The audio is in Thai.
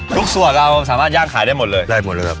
สูตรเราสามารถย่างขายได้หมดเลยได้หมดเลยครับ